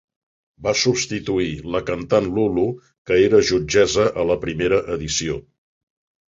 Va substituir la cantant Lulu, que era jutgessa a la primera edició.